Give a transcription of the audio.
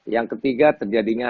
yang ketiga terjadinya